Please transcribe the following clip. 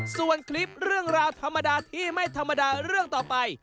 ส่วนคลิปเรื่องราวธรรมดาที่ไม่ธรรมดาเรื่องต่อไป